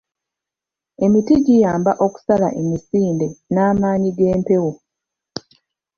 Emiti giyamba okusala emisinde n'amaanyi g'empewo.